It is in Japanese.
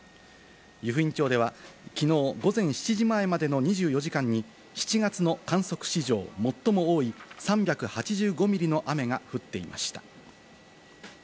湯布院町ではきのう午前７時前までの２４時間に７月の観測史上最も多い３８５ミリの雨が降っていました。